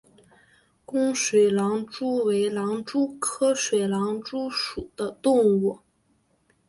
弓水狼蛛为狼蛛科水狼蛛属的动物。